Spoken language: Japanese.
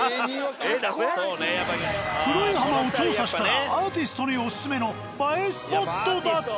黒い浜を調査したらアーティストにおすすめの映えスポットだった。